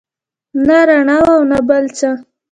نه رڼا وه او نه بل څه.